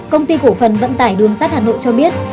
công ty cổ phần vận tải đường sắt hà nội cho biết